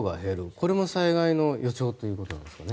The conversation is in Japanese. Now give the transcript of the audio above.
これも災害の予兆ということなんですかね。